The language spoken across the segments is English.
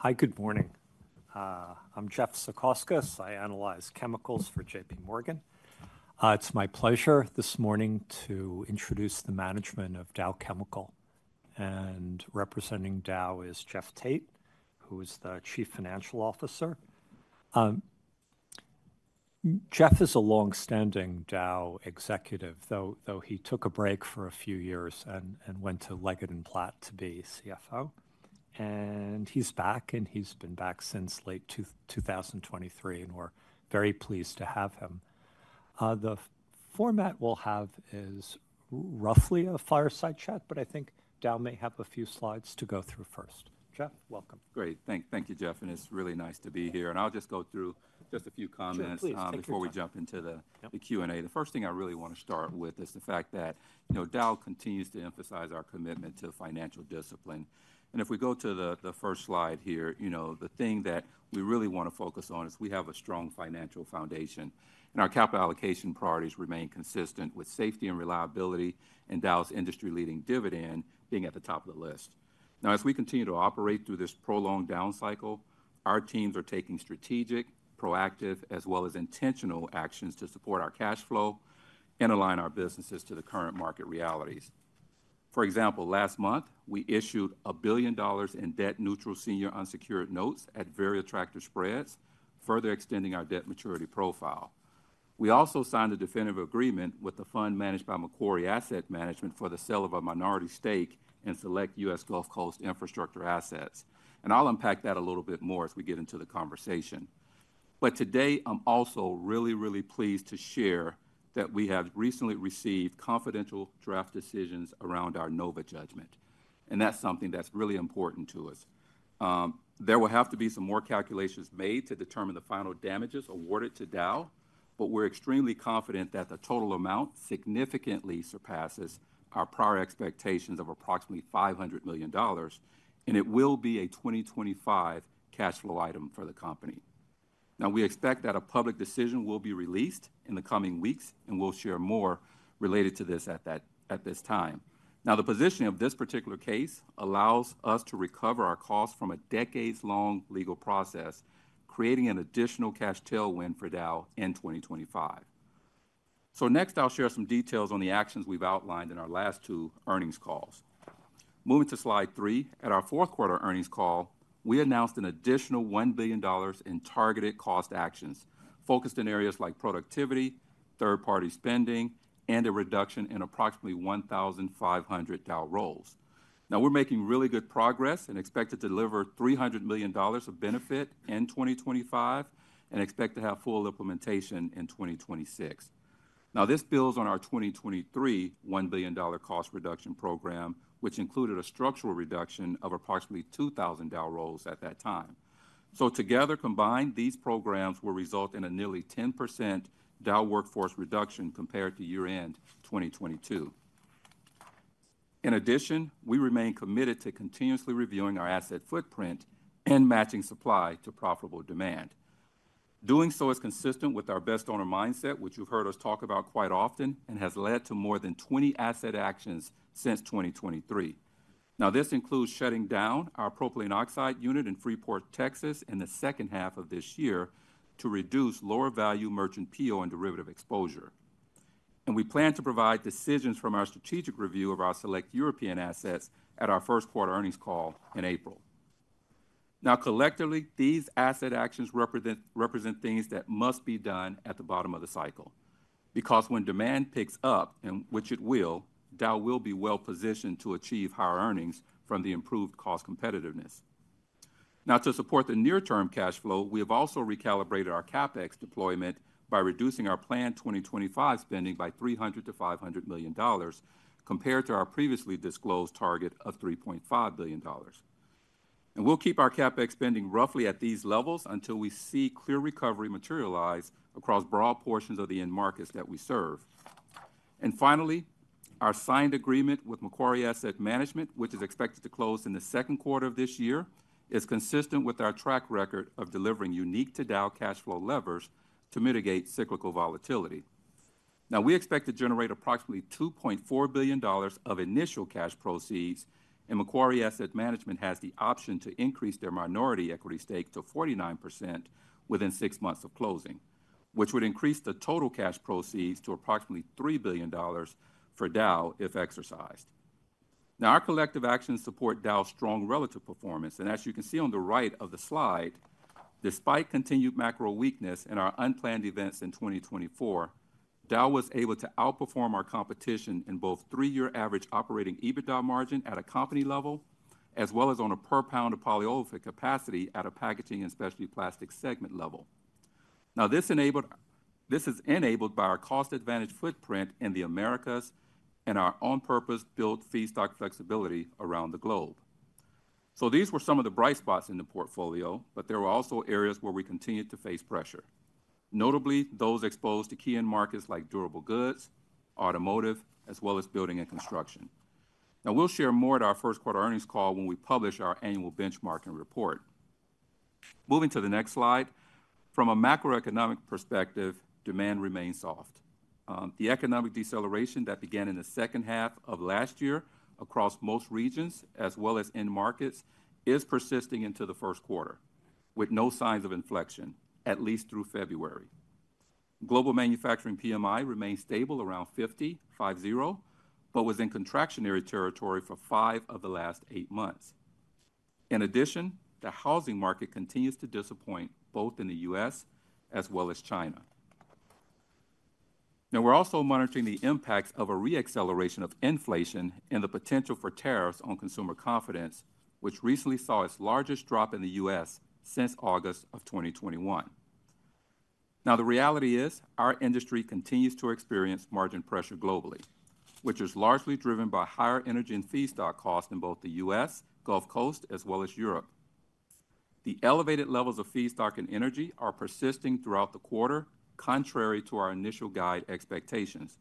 Hi, good morning. I'm Jeff Cirksena. I analyze chemicals for J.P. Morgan. It's my pleasure this morning to introduce the management of Dow Chemical. Representing Dow is Jeff Tate, who is the Chief Financial Officer. Jeff is a longstanding Dow executive, though he took a break for a few years and went to Leggett & Platt to be CFO. He's back, and he's been back since late 2023, and we're very pleased to have him. The format we'll have is roughly a fireside chat, but I think Dow may have a few slides to go through first. Jeff, welcome. Great. Thank you, Jeff. It's really nice to be here. I'll just go through just a few comments. Sure, please. Before we jump into the Q&A. The first thing I really want to start with is the fact that, you know, Dow continues to emphasize our commitment to financial discipline. If we go to the first slide here, you know, the thing that we really want to focus on is we have a strong financial foundation, and our capital allocation priorities remain consistent with safety and reliability, and Dow's industry-leading dividend being at the top of the list. Now, as we continue to operate through this prolonged down cycle, our teams are taking strategic, proactive, as well as intentional actions to support our cash flow and align our businesses to the current market realities. For example, last month, we issued $1 billion in debt-neutral senior unsecured notes at very attractive spreads, further extending our debt maturity profile. We also signed a definitive agreement with the fund managed by Macquarie Asset Management for the sale of a minority stake in select U.S. Gulf Coast infrastructure assets. I'll unpack that a little bit more as we get into the conversation. Today, I'm also really, really pleased to share that we have recently received confidential draft decisions around our NOVA judgment. That's something that's really important to us. There will have to be some more calculations made to determine the final damages awarded to Dow, but we're extremely confident that the total amount significantly surpasses our prior expectations of approximately $500 million, and it will be a 2025 cash flow item for the company. We expect that a public decision will be released in the coming weeks, and we'll share more related to this at that, at this time. Now, the positioning of this particular case allows us to recover our costs from a decades-long legal process, creating an additional cash tailwind for Dow in 2025. Next, I'll share some details on the actions we've outlined in our last two earnings calls. Moving to slide three, at our fourth quarter earnings call, we announced an additional $1 billion in targeted cost actions focused in areas like productivity, third-party spending, and a reduction in approximately 1,500 Dow roles. Now, we're making really good progress and expect to deliver $300 million of benefit in 2025 and expect to have full implementation in 2026. This builds on our 2023 $1 billion cost reduction program, which included a structural reduction of approximately 2,000 Dow roles at that time. Together, combined, these programs will result in a nearly 10% Dow workforce reduction compared to year-end 2022. In addition, we remain committed to continuously reviewing our asset footprint and matching supply to profitable demand. Doing so is consistent with our best owner mindset, which you've heard us talk about quite often, and has led to more than 20 asset actions since 2023. This includes shutting down our propylene oxide unit in Freeport, Texas, in the second half of this year to reduce lower-value merchant PO and derivative exposure. We plan to provide decisions from our strategic review of our select European assets at our first quarter earnings call in April. Collectively, these asset actions represent things that must be done at the bottom of the cycle because when demand picks up, and which it will, Dow will be well-positioned to achieve higher earnings from the improved cost competitiveness. Now, to support the near-term cash flow, we have also recalibrated our CapEx deployment by reducing our planned 2025 spending by $300-$500 million compared to our previously disclosed target of $3.5 billion. We will keep our CapEx spending roughly at these levels until we see clear recovery materialize across broad portions of the end markets that we serve. Finally, our signed agreement with Macquarie Asset Management, which is expected to close in the second quarter of this year, is consistent with our track record of delivering unique-to-Dow cash flow levers to mitigate cyclical volatility. We expect to generate approximately $2.4 billion of initial cash proceeds, and Macquarie Asset Management has the option to increase their minority equity stake to 49% within six months of closing, which would increase the total cash proceeds to approximately $3 billion for Dow if exercised. Now, our collective actions support Dow's strong relative performance. As you can see on the right of the slide, despite continued macro weakness and our unplanned events in 2024, Dow was able to outperform our competition in both three-year average operating EBITDA margin at a company level as well as on a per pound of polyolefin capacity at a packaging and specialty plastics segment level. This is enabled by our cost advantage footprint in the Americas and our on-purpose built feedstock flexibility around the globe. These were some of the bright spots in the portfolio, but there were also areas where we continued to face pressure, notably those exposed to key end markets like durable goods, automotive, as well as building and construction. We will share more at our first quarter earnings call when we publish our annual benchmarking report. Moving to the next slide, from a macroeconomic perspective, demand remains soft. The economic deceleration that began in the second half of last year across most regions, as well as end markets, is persisting into the first quarter with no signs of inflection, at least through February. Global manufacturing PMI remained stable around 50.5 but was in contractionary territory for five of the last eight months. In addition, the housing market continues to disappoint both in the U.S. as well as China. Now, we're also monitoring the impacts of a re-acceleration of inflation and the potential for tariffs on consumer confidence, which recently saw its largest drop in the U.S. since August of 2021. Now, the reality is our industry continues to experience margin pressure globally, which is largely driven by higher energy and feedstock costs in both the U.S. Gulf Coast, as well as Europe. The elevated levels of feedstock and energy are persisting throughout the quarter, contrary to our initial guide expectations.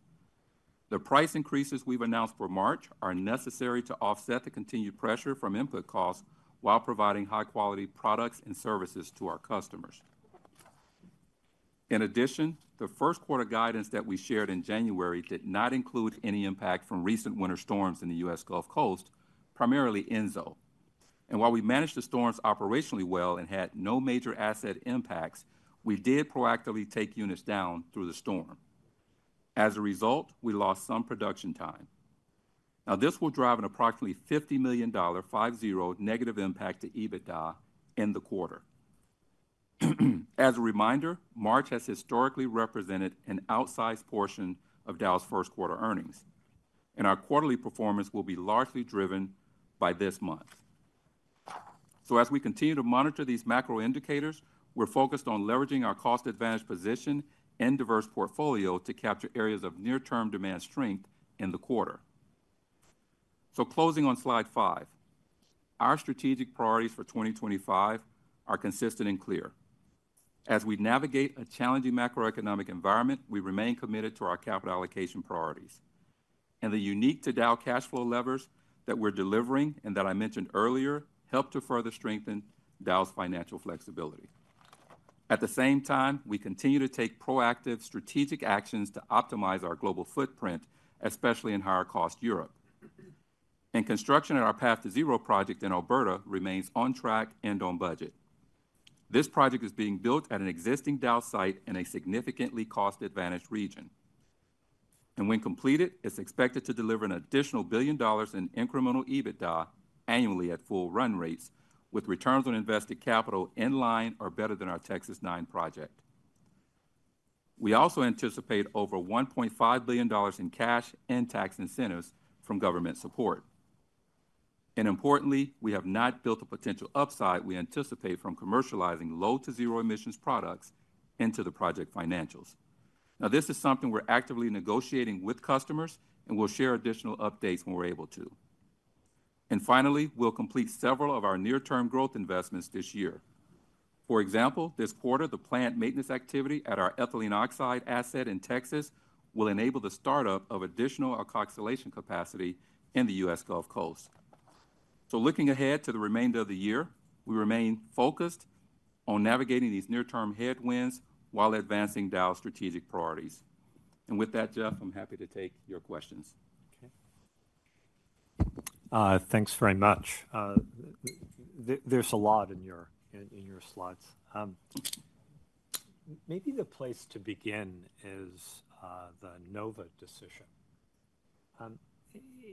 The price increases we've announced for March are necessary to offset the continued pressure from input costs while providing high-quality products and services to our customers. In addition, the first quarter guidance that we shared in January did not include any impact from recent winter storms in the U.S. Gulf Coast, primarily Enzo. While we managed the storms operationally well and had no major asset impacts, we did proactively take units down through the storm. As a result, we lost some production time. This will drive an approximately $50 million, 5-0, negative impact to EBITDA in the quarter. As a reminder, March has historically represented an outsized portion of Dow's first quarter earnings, and our quarterly performance will be largely driven by this month. As we continue to monitor these macro indicators, we're focused on leveraging our cost advantage position and diverse portfolio to capture areas of near-term demand strength in the quarter. Closing on slide five, our strategic priorities for 2025 are consistent and clear. As we navigate a challenging macroeconomic environment, we remain committed to our capital allocation priorities. The unique-to-Dow cash flow levers that we're delivering and that I mentioned earlier help to further strengthen Dow's financial flexibility. At the same time, we continue to take proactive strategic actions to optimize our global footprint, especially in higher-cost Europe. Construction at our Path to Zero project in Alberta remains on track and on budget. This project is being built at an existing Dow site in a significantly cost-advantaged region. When completed, it's expected to deliver an additional $1 billion in incremental EBITDA annually at full run rates, with returns on invested capital in line or better than our Texas Nine project. We also anticipate over $1.5 billion in cash and tax incentives from government support. Importantly, we have not built a potential upside we anticipate from commercializing low-to-zero emissions products into the project financials. This is something we're actively negotiating with customers, and we'll share additional updates when we're able to. Finally, we'll complete several of our near-term growth investments this year. For example, this quarter, the plant maintenance activity at our ethylene oxide asset in Texas will enable the startup of additional oxidation capacity in the U.S. Gulf Coast. Looking ahead to the remainder of the year, we remain focused on navigating these near-term headwinds while advancing Dow's strategic priorities. Jeff, I'm happy to take your questions. Okay. Thanks very much. There's a lot in your, in your slides. Maybe the place to begin is, the NOVA decision.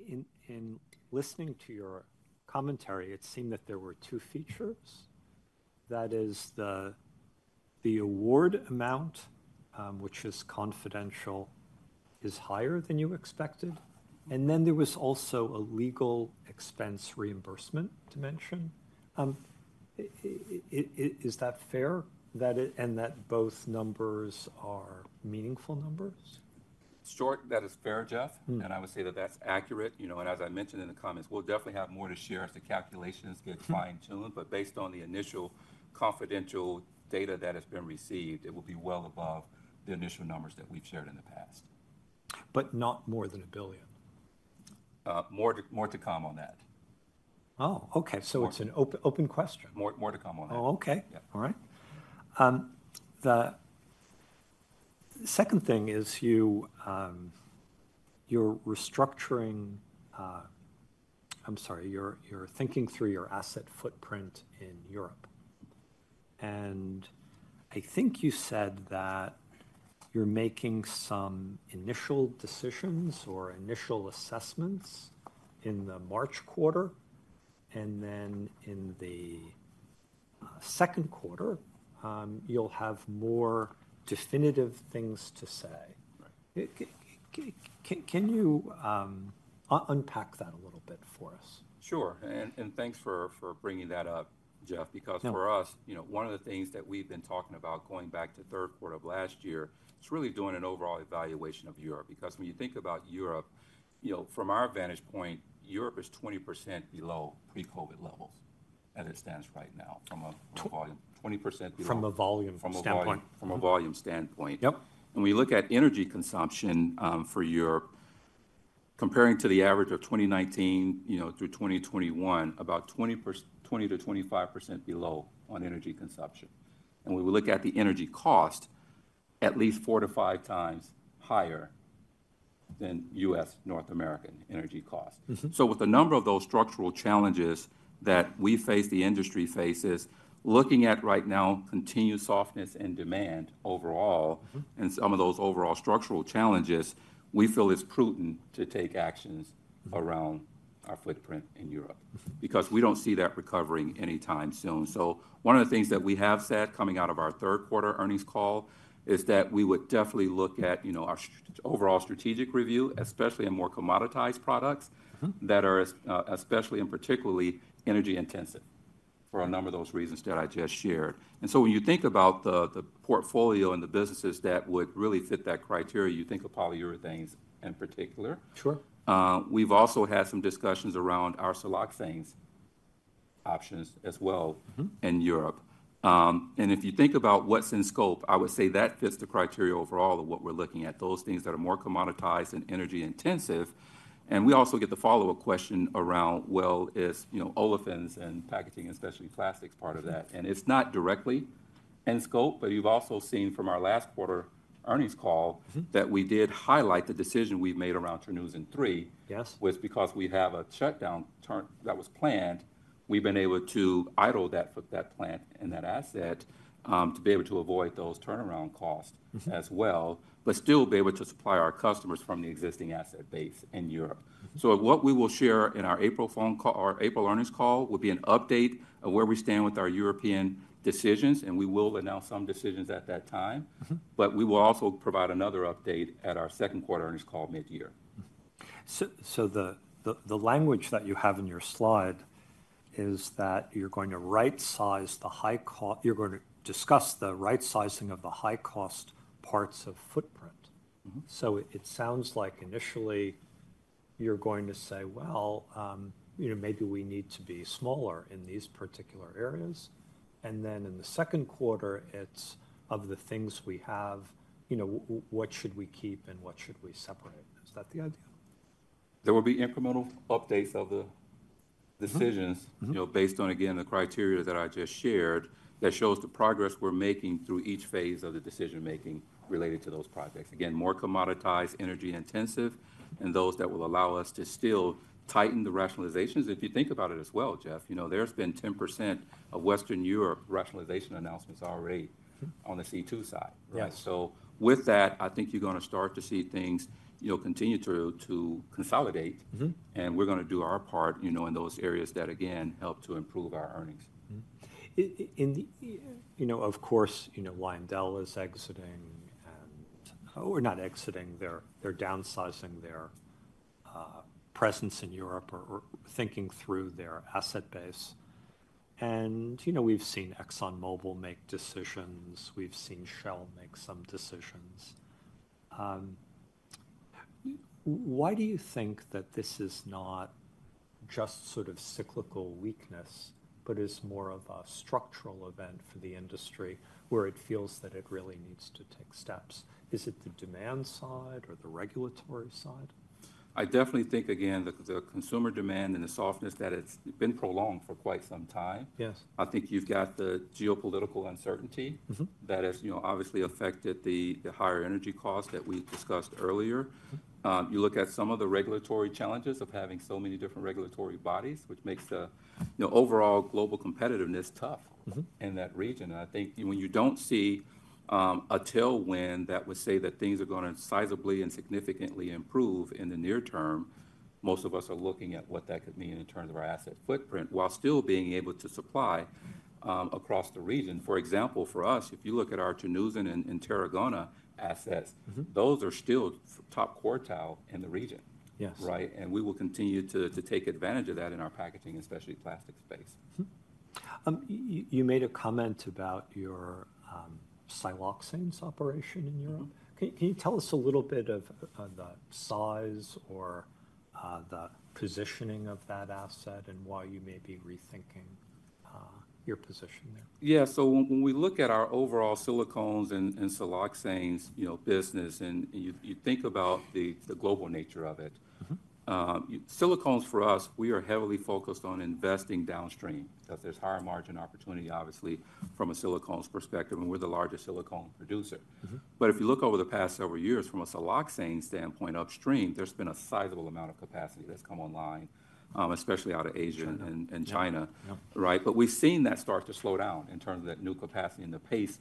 In, in listening to your commentary, it seemed that there were two features. That is, the, the award amount, which is confidential, is higher than you expected. And then there was also a legal expense reimbursement dimension. Is that fair that it, and that both numbers are meaningful numbers? Short, that is fair, Jeff. Mm-hmm. I would say that that's accurate. You know, as I mentioned in the comments, we'll definitely have more to share as the calculations get fine-tuned. Based on the initial confidential data that has been received, it will be well above the initial numbers that we've shared in the past. Not more than a billion? More to come on that. Oh, okay. It's an open, open question. More to come on that. Oh, okay. Yeah. All right. The second thing is you, you're restructuring, I'm sorry, you're, you're thinking through your asset footprint in Europe. I think you said that you're making some initial decisions or initial assessments in the March quarter. In the second quarter, you'll have more definitive things to say. Right. Can you unpack that a little bit for us? Sure. Thanks for bringing that up, Jeff, because for us. Yeah. You know, one of the things that we've been talking about going back to third quarter of last year, it's really doing an overall evaluation of Europe because when you think about Europe, you know, from our vantage point, Europe is 20% below pre-COVID levels as it stands right now from a volume. From a volume standpoint. From a volume standpoint. Yep. When you look at energy consumption, for Europe, comparing to the average of 2019, you know, through 2021, about 20%-25% below on energy consumption. When we look at the energy cost, at least four to five times higher than U.S. North American energy cost. Mm-hmm. With a number of those structural challenges that we face, the industry faces, looking at right now, continued softness in demand overall. Mm-hmm. Some of those overall structural challenges, we feel it's prudent to take actions around our footprint in Europe because we don't see that recovering anytime soon. One of the things that we have said coming out of our third quarter earnings call is that we would definitely look at, you know, our overall strategic review, especially on more commoditized products. Mm-hmm. That are as, especially and particularly energy-intensive for a number of those reasons that I just shared. When you think about the portfolio and the businesses that would really fit that criteria, you think of polyurethanes in particular. Sure. We've also had some discussions around our siloxane options as well. Mm-hmm. In Europe. If you think about what's in scope, I would say that fits the criteria overall of what we're looking at, those things that are more commoditized and energy-intensive. We also get the follow-up question around, well, is, you know, olefins and packaging and specialty plastics part of that? It's not directly in scope, but you've also seen from our last quarter earnings call. Mm-hmm. That we did highlight the decision we've made around Terneuzen III. Yes. Was because we have a shutdown turn that was planned. We've been able to idle that plant and that asset, to be able to avoid those turnaround costs. Mm-hmm. As well, but still be able to supply our customers from the existing asset base in Europe. Mm-hmm. What we will share in our April phone call or April earnings call will be an update of where we stand with our European decisions. We will announce some decisions at that time. Mm-hmm. We will also provide another update at our second quarter earnings call mid-year. The language that you have in your slide is that you're going to right-size the high-cost, you're going to discuss the right-sizing of the high-cost parts of footprint. Mm-hmm. It sounds like initially you're going to say, you know, maybe we need to be smaller in these particular areas. And then in the second quarter, it's of the things we have, you know, what should we keep and what should we separate? Is that the idea? There will be incremental updates of the decisions. Mm-hmm. You know, based on, again, the criteria that I just shared that shows the progress we're making through each phase of the decision-making related to those projects. Again, more commoditized, energy-intensive, and those that will allow us to still tighten the rationalizations. If you think about it as well, Jeff, you know, there's been 10% of Western Europe rationalization announcements already. Mm-hmm. On the C2 side. Yes. Right. With that, I think you're going to start to see things, you know, continue to consolidate. Mm-hmm. We're going to do our part, you know, in those areas that, again, help to improve our earnings. Mm-hmm. In the, you know, of course, you know, LyondellBasell is exiting and, or not exiting, they're downsizing their presence in Europe or thinking through their asset base. And, you know, we've seen ExxonMobil make decisions. We've seen Shell make some decisions. Why do you think that this is not just sort of cyclical weakness, but is more of a structural event for the industry where it feels that it really needs to take steps? Is it the demand side or the regulatory side? I definitely think, again, the consumer demand and the softness that it's been prolonged for quite some time. Yes. I think you've got the geopolitical uncertainty. Mm-hmm. That has, you know, obviously affected the higher energy costs that we discussed earlier. Mm-hmm. you look at some of the regulatory challenges of having so many different regulatory bodies, which makes the, you know, overall global competitiveness tough. Mm-hmm. In that region. I think when you do not see a tailwind that would say that things are going to sizably and significantly improve in the near term, most of us are looking at what that could mean in terms of our asset footprint while still being able to supply across the region. For example, for us, if you look at our Terneuzen and Tarragona assets. Mm-hmm. Those are still top quartile in the region. Yes. Right? We will continue to, to take advantage of that in our packaging and specialty plastics space. Mm-hmm. You made a comment about your siloxanes operation in Europe. Mm-hmm. Can you tell us a little bit of the size or the positioning of that asset and why you may be rethinking your position there? Yeah. When we look at our overall silicones and siloxanes, you know, business, and you think about the global nature of it. Mm-hmm. Silicones for us, we are heavily focused on investing downstream because there's higher margin opportunity, obviously, from a silicones perspective, and we're the largest silicone producer. Mm-hmm. If you look over the past several years, from a siloxane standpoint upstream, there's been a sizable amount of capacity that's come online, especially out of Asia. Sure. China. Yeah. Right? We have seen that start to slow down in terms of that new capacity and the pace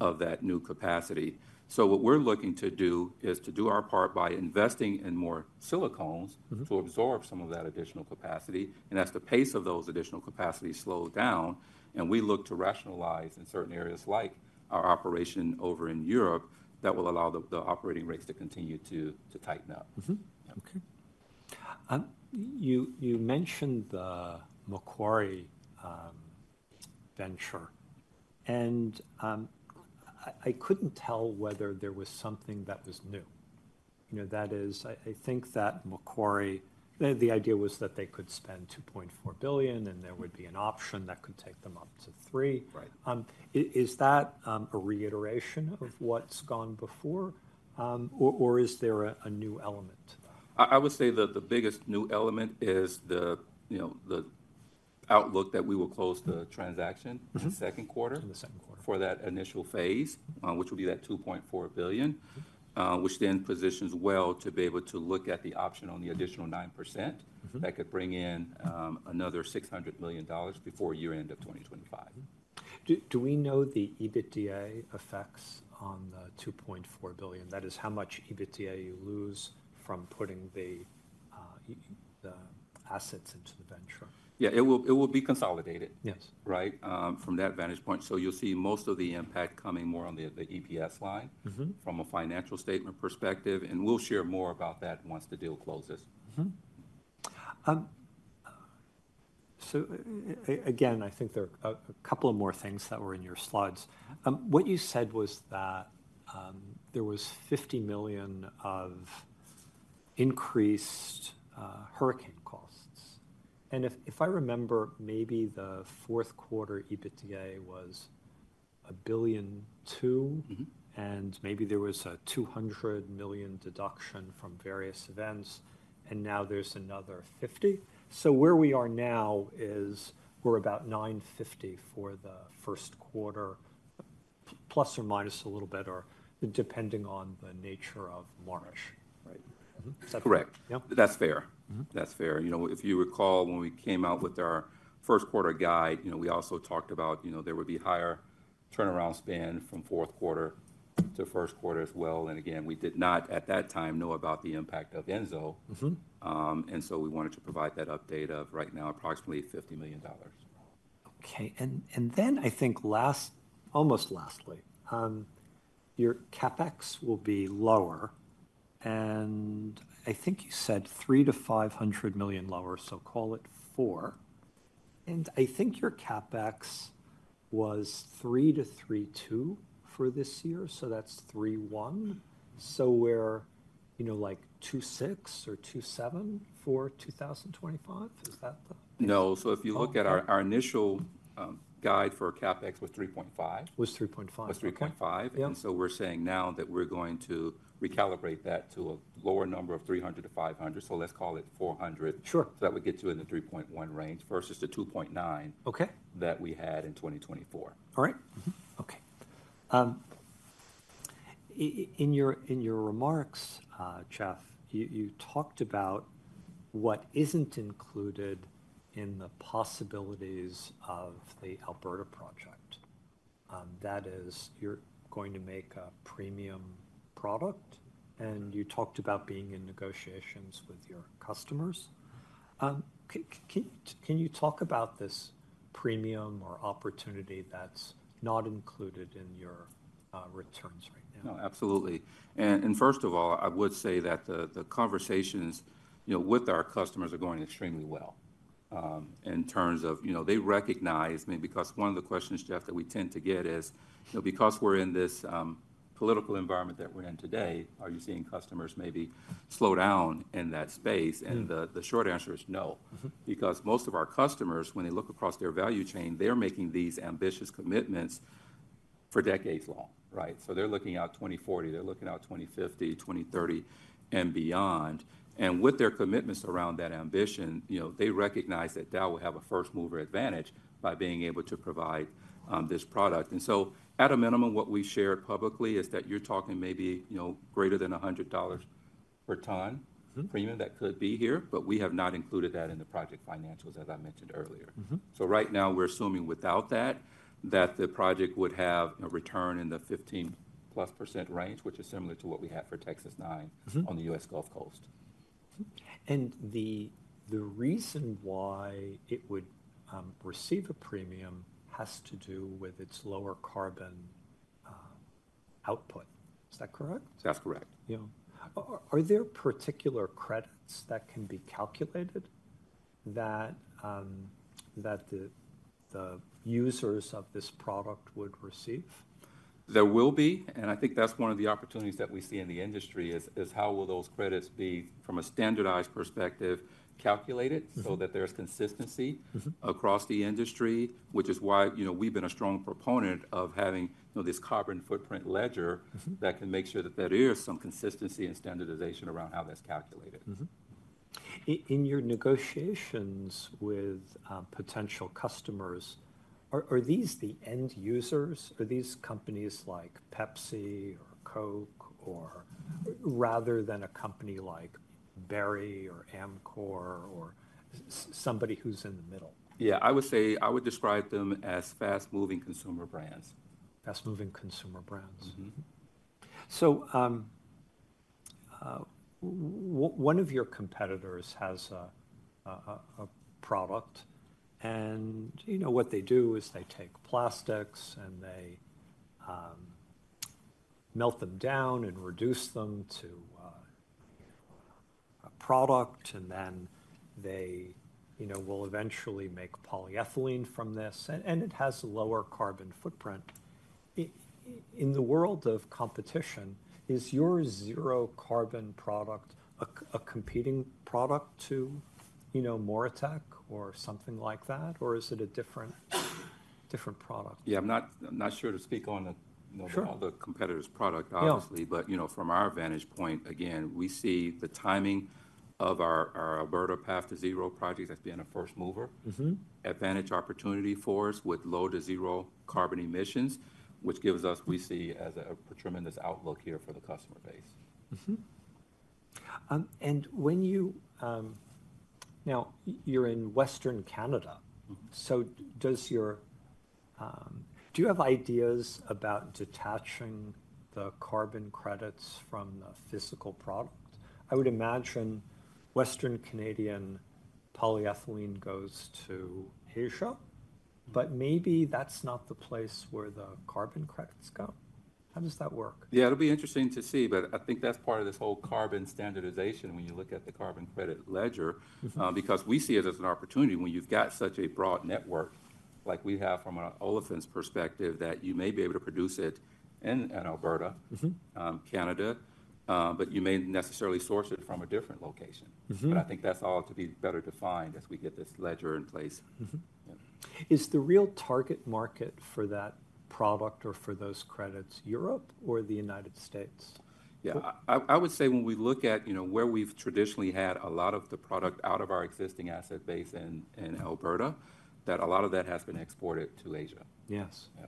of that new capacity. What we are looking to do is to do our part by investing in more silicones. Mm-hmm. To absorb some of that additional capacity. As the pace of those additional capacities slows down, and we look to rationalize in certain areas like our operation over in Europe, that will allow the operating rates to continue to tighten up. Mm-hmm. Okay. You mentioned the Macquarie venture. I couldn't tell whether there was something that was new. You know, that is, I think that Macquarie, the idea was that they could spend $2.4 billion and there would be an option that could take them up to three. Right. Is that a reiteration of what's gone before, or is there a new element to that? I would say that the biggest new element is the, you know, the outlook that we will close the transaction. Mm-hmm. In the second quarter. In the second quarter. For that initial phase, which will be that $2.4 billion, which then positions well to be able to look at the option on the additional 9%. Mm-hmm. That could bring in another $600 million before year-end of 2025. Do we know the EBITDA effects on the $2.4 billion? That is how much EBITDA you lose from putting the assets into the venture. Yeah. It will be consolidated. Yes. Right? From that vantage point. You'll see most of the impact coming more on the EPS line. Mm-hmm. From a financial statement perspective, we'll share more about that once the deal closes. Mm-hmm. Again, I think there are a couple of more things that were in your slides. What you said was that there was $50 million of increased hurricane costs. And if I remember, maybe the fourth quarter EBITDA was $1.2 billion. Mm-hmm. Maybe there was a $200 million deduction from various events. Now there's another $50 million. Where we are now is we're about $950 million for the first quarter, plus or minus a little bit or depending on the nature of March. Right. Is that correct? Correct. That's fair. Mm-hmm. That's fair. You know, if you recall when we came out with our first quarter guide, you know, we also talked about, you know, there would be higher turnaround spend from fourth quarter to first quarter as well. Again, we did not at that time know about the impact of Enzo. Mm-hmm. We wanted to provide that update of right now approximately $50 million. Okay. And then I think last, almost lastly, your CapEx will be lower. And I think you said $300 million to $500 million lower, so call it $400 million. And I think your CapEx was $3 billion to $3.2 billion for this year. So that's $3.1 billion. So we're, you know, like $2.6 billion or $2.7 billion for 2025. Is that the? No. If you look at our initial guide for CapEx, it was $3.5 billion. Was 3.5. Was 3.5. Yep. We are saying now that we are going to recalibrate that to a lower number of 300-500. Let's call it 400. Sure. That would get you in the 3.1 range versus the 2.9. Okay. That we had in 2024. All right. Mm-hmm. Okay. In your remarks, Jeff, you talked about what isn't included in the possibilities of the Alberta project. That is, you're going to make a premium product. And you talked about being in negotiations with your customers. Can you talk about this premium or opportunity that's not included in your returns right now? No, absolutely. First of all, I would say that the conversations, you know, with our customers are going extremely well, in terms of, you know, they recognize maybe because one of the questions, Jeff, that we tend to get is, you know, because we're in this political environment that we're in today, are you seeing customers maybe slow down in that space? Mm-hmm. The short answer is no. Mm-hmm. Because most of our customers, when they look across their value chain, they're making these ambitious commitments for decades long, right? They're looking out 2040, they're looking out 2050, 2030, and beyond. With their commitments around that ambition, you know, they recognize that Dow will have a first-mover advantage by being able to provide this product. At a minimum, what we shared publicly is that you're talking maybe, you know, greater than $100 per ton. Mm-hmm. Premium that could be here, but we have not included that in the project financials, as I mentioned earlier. Mm-hmm. Right now we're assuming without that, that the project would have a return in the 15% plus range, which is similar to what we had for Texas Nine. Mm-hmm. On the U.S. Gulf Coast. The reason why it would receive a premium has to do with its lower carbon output. Is that correct? That's correct. Yeah. Are there particular credits that can be calculated that the users of this product would receive? There will be. I think that's one of the opportunities that we see in the industry, is how will those credits be from a standardized perspective calculated. Mm-hmm. That there's consistency. Mm-hmm. Across the industry, which is why, you know, we've been a strong proponent of having, you know, this carbon footprint ledger. Mm-hmm. That can make sure that there is some consistency and standardization around how that's calculated. Mm-hmm. In your negotiations with potential customers, are these the end users? Are these companies like Pepsi or Coke, or rather than a company like Barry or Amcor or somebody who's in the middle? Yeah. I would say I would describe them as fast-moving consumer brands. Fast-moving consumer brands. Mm-hmm. One of your competitors has a product. And, you know, what they do is they take plastics and they melt them down and reduce them to a product. And then they, you know, will eventually make polyethylene from this. And it has a lower carbon footprint. In the world of competition, is your zero-carbon product a competing product to, you know, Moritech or something like that? Or is it a different, different product? Yeah. I'm not sure to speak on the, you know. Sure. All the competitors' product, obviously. Yeah. You know, from our vantage point, again, we see the timing of our Alberta Path to Zero project as being a first-mover. Mm-hmm. Advantage opportunity for us with low to zero carbon emissions, which gives us, we see as a tremendous outlook here for the customer base. Mm-hmm. And when you, now you're in Western Canada. Mm-hmm. Do you have ideas about detaching the carbon credits from the physical product? I would imagine Western Canadian polyethylene goes to Asia? Maybe that's not the place where the carbon credits go. How does that work? Yeah. It'll be interesting to see. I think that's part of this whole carbon standardization when you look at the carbon credit ledger. Mm-hmm. because we see it as an opportunity when you've got such a broad network like we have from an olefins perspective that you may be able to produce it in, in Alberta. Mm-hmm. Canada. You may necessarily source it from a different location. Mm-hmm. I think that's all to be better defined as we get this ledger in place. Mm-hmm. Yeah. Is the real target market for that product or for those credits Europe or the United States? Yeah. I would say when we look at, you know, where we've traditionally had a lot of the product out of our existing asset base in Alberta, that a lot of that has been exported to Asia. Yes. Yeah.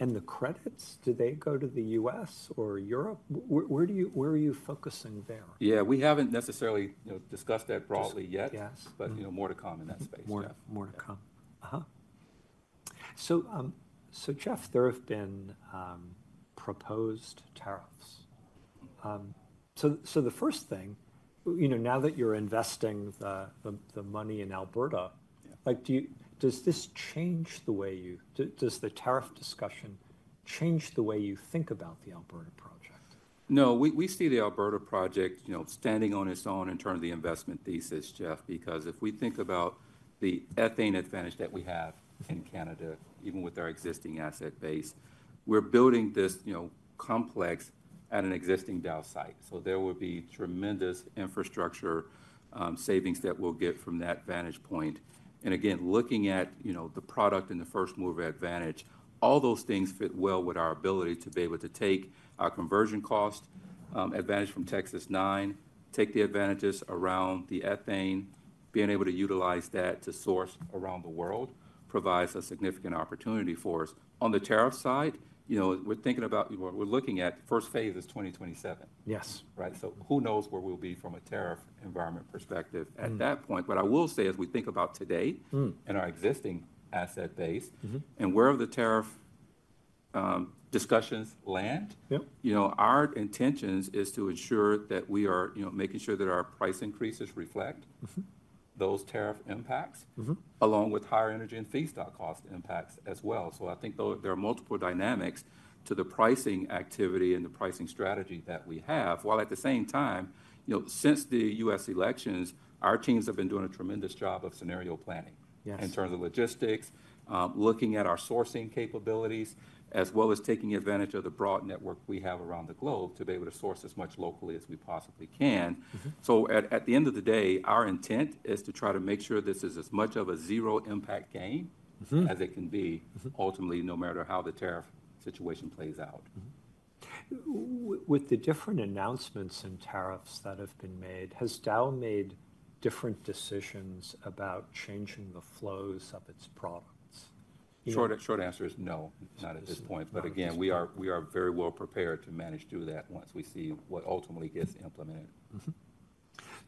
And the credits, do they go to the U.S. or Europe? Where do you, where are you focusing there? Yeah. We haven't necessarily, you know, discussed that broadly yet. Yes. You know, more to come in that space. More, more to come. So, Jeff, there have been proposed tariffs. The first thing, you know, now that you're investing the money in Alberta. Yeah. Like, do you, does this change the way you, does the tariff discussion change the way you think about the Alberta project? No. We see the Alberta project, you know, standing on its own in terms of the investment thesis, Jeff, because if we think about the ethane advantage that we have in Canada, even with our existing asset base, we're building this, you know, complex at an existing Dow site. There will be tremendous infrastructure savings that we'll get from that vantage point. Again, looking at, you know, the product and the first-mover advantage, all those things fit well with our ability to be able to take our conversion cost advantage from Texas Nine, take the advantages around the ethane, being able to utilize that to source around the world provides a significant opportunity for us. On the tariff side, you know, we're thinking about, you know, we're looking at first phase is 2027. Yes. Right? Who knows where we'll be from a tariff environment perspective at that point. Mm-hmm. I will say as we think about today. Mm-hmm. Our existing asset base. Mm-hmm. Where the tariff discussions land. Yep. You know, our intentions is to ensure that we are, you know, making sure that our price increases reflect. Mm-hmm. Those tariff impacts. Mm-hmm. Along with higher energy and feedstock cost impacts as well. I think there are multiple dynamics to the pricing activity and the pricing strategy that we have. While at the same time, you know, since the US elections, our teams have been doing a tremendous job of scenario planning. Yes. In terms of logistics, looking at our sourcing capabilities as well as taking advantage of the broad network we have around the globe to be able to source as much locally as we possibly can. Mm-hmm. At the end of the day, our intent is to try to make sure this is as much of a zero-impact game. Mm-hmm. As it can be. Mm-hmm. Ultimately, no matter how the tariff situation plays out. With the different announcements and tariffs that have been made, has Dow made different decisions about changing the flows of its products? Short, short answer is no. That's fine. Not at this point. Again, we are very well prepared to manage through that once we see what ultimately gets implemented. Mm-hmm.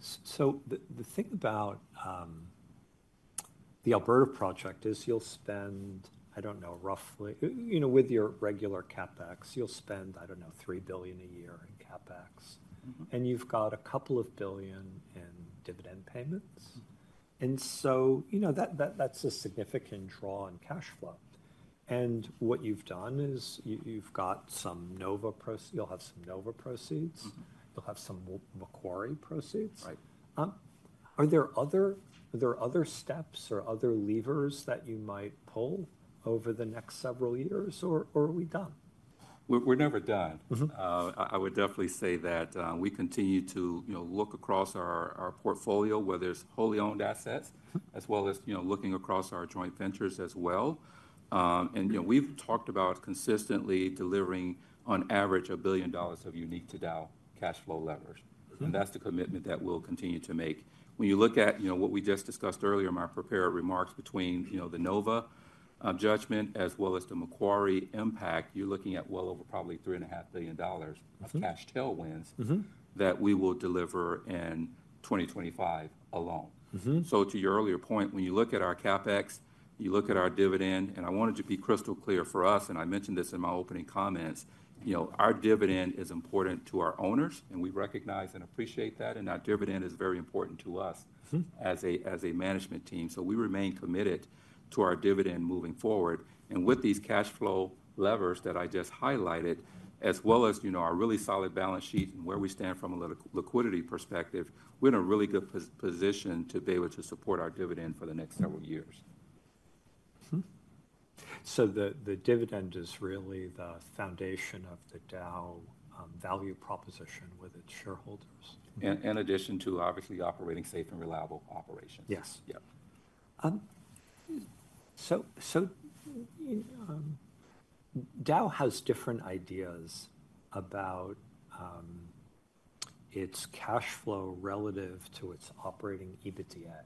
So the thing about the Alberta project is you'll spend, I don't know, roughly, you know, with your regular CapEx, you'll spend, I don't know, $3 billion a year in CapEx. Mm-hmm. You've got a couple of billion in dividend payments. Mm-hmm. You know, that is a significant draw in cash flow. What you've done is you've got some Nova proceeds, you'll have some Nova proceeds. Mm-hmm. You'll have some Macquarie proceeds. Right. Are there other, are there other steps or other levers that you might pull over the next several years, or are we done? We're never done. Mm-hmm. I would definitely say that we continue to, you know, look across our portfolio where there's wholly owned assets. Mm-hmm. As well as, you know, looking across our joint ventures as well. You know, we've talked about consistently delivering on average a billion dollars of unique to Dow cash flow levers. Mm-hmm. That's the commitment that we'll continue to make. When you look at, you know, what we just discussed earlier in my prepared remarks between, you know, the Nova judgment as well as the Macquarie impact, you're looking at well over probably $3.5 billion of cash tailwinds. Mm-hmm. That we will deliver in 2025 alone. Mm-hmm. To your earlier point, when you look at our CapEx, you look at our dividend, and I wanted to be crystal clear for us, and I mentioned this in my opening comments, you know, our dividend is important to our owners, and we recognize and appreciate that. Our dividend is very important to us. Mm-hmm. As a management team. We remain committed to our dividend moving forward. With these cash flow levers that I just highlighted, as well as, you know, our really solid balance sheet and where we stand from a liquidity perspective, we're in a really good position to be able to support our dividend for the next several years. Mm-hmm. The dividend is really the foundation of the Dow value proposition with its shareholders. In addition to, obviously, operating safe and reliable operations. Yes. Yep. Dow has different ideas about its cash flow relative to its operating EBITDA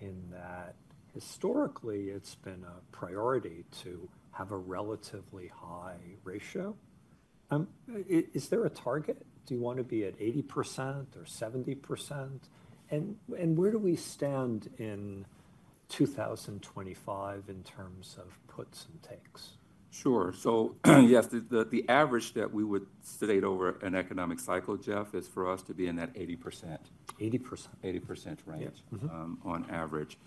in that historically it's been a priority to have a relatively high ratio. Is there a target? Do you want to be at 80% or 70%? And where do we stand in 2025 in terms of puts and takes? Sure. Yes, the average that we would state over an economic cycle, Jeff, is for us to be in that 80%. 80%. 80% range. Yeah. Mm-hmm. On average.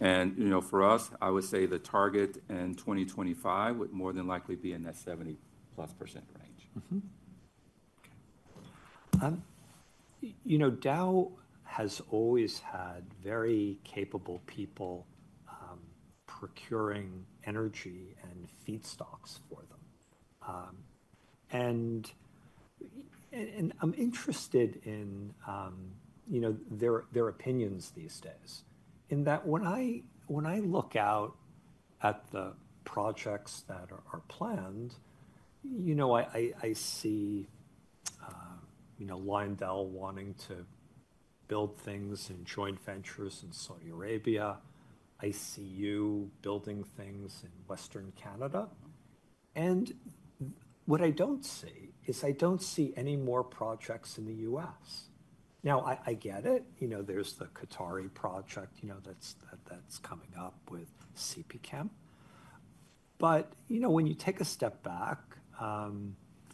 You know, for us, I would say the target in 2025 would more than likely be in that 70%+ range. Mm-hmm. Okay. You know, Dow has always had very capable people procuring energy and feedstocks for them, and I'm interested in, you know, their opinions these days in that when I look out at the projects that are planned, you know, I see, you know, Lyondell wanting to build things in joint ventures in Saudi Arabia. I see you building things in Western Canada. What I do not see is I do not see any more projects in the U.S. Now, I get it. You know, there is the Qatari project, you know, that is coming up with CP Chem. You know, when you take a step back,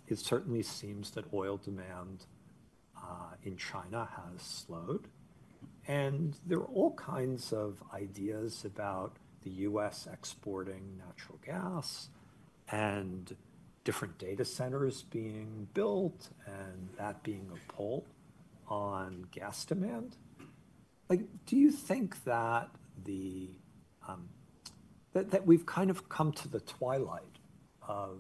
it certainly seems that oil demand in China has slowed. There are all kinds of ideas about the U.S. exporting natural gas and different data centers being built and that being a pull on gas demand. Do you think that we've kind of come to the twilight of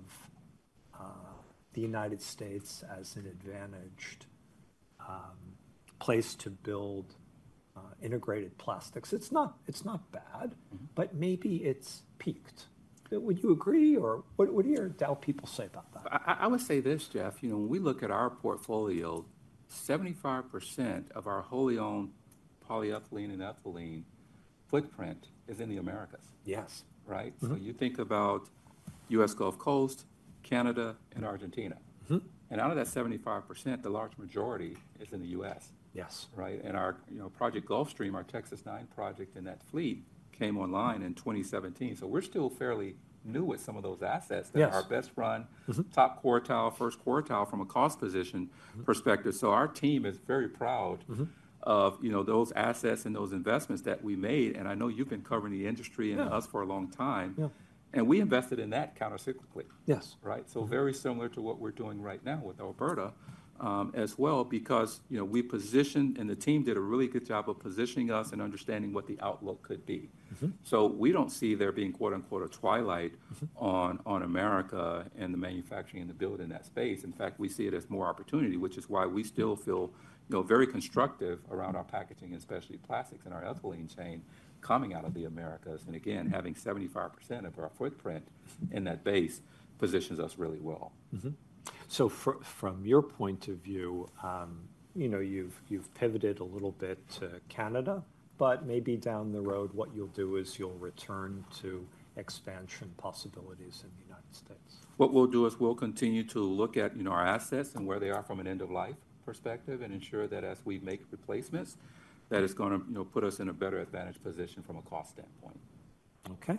the United States as an advantaged place to build integrated plastics? It's not bad. Mm-hmm. Maybe it's peaked. Would you agree or what, what do your Dow people say about that? I would say this, Jeff. You know, when we look at our portfolio, 75% of our wholly owned polyethylene and ethylene footprint is in the Americas. Yes. Right? Mm-hmm. You think about U.S. Gulf Coast, Canada, and Argentina. Mm-hmm. Out of that 75%, the large majority is in the U.S. Yes. Right? And our, you know, Project Gulfstream, our Texas Nine project in that fleet came online in 2017. We are still fairly new with some of those assets. Yes. That are best run. Mm-hmm. Top quartile, first quartile from a cost position perspective. Our team is very proud. Mm-hmm. Of, you know, those assets and those investments that we made. I know you've been covering the industry and us for a long time. Yeah. We invested in that countercyclically. Yes. Right? Very similar to what we're doing right now with Alberta, as well, because, you know, we positioned and the team did a really good job of positioning us and understanding what the outlook could be. Mm-hmm. We do not see there being quote unquote a twilight. Mm-hmm. On America and the manufacturing and the build in that space. In fact, we see it as more opportunity, which is why we still feel, you know, very constructive around our packaging, especially plastics in our ethylene chain coming out of the Americas. Again, having 75% of our footprint in that base positions us really well. Mm-hmm. From your point of view, you know, you've pivoted a little bit to Canada, but maybe down the road what you'll do is you'll return to expansion possibilities in the United States. What we'll do is we'll continue to look at, you know, our assets and where they are from an end-of-life perspective and ensure that as we make replacements, that it's gonna, you know, put us in a better advantage position from a cost standpoint. Okay.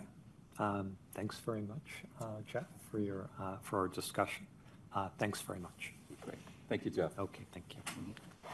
Thanks very much, Jeff, for your, for our discussion. Thanks very much. Great. Thank you, Jeff. Okay. Thank you.